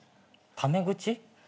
タメ口？